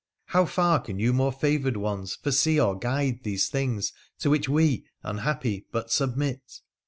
How far can you more favoured ones foresee or guide those things to which we, unhappy, but submit